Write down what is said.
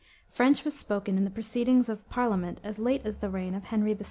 French was spoken in the proceedings of Parliament as late as the reign of Henry VI.